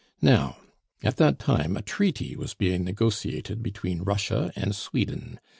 Now, at that time a treaty was being negotiated between Russia and Sweden.